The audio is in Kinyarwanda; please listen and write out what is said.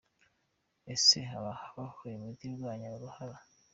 Ese haba habaho imiti irwanya uruhara?.